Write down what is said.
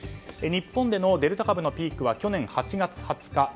日本でのデルタ株のピークは去年８月２０日。